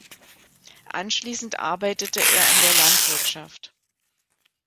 Anschließend arbeitete er in der Landwirtschaft.